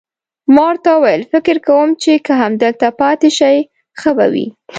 ما ورته وویل: فکر کوم چې که همدلته پاتې شئ، ښه به وي.